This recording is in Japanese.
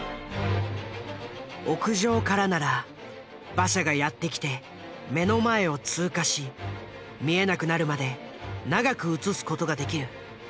屋上からなら馬車がやってきて目の前を通過し見えなくなるまで長く映す事ができる。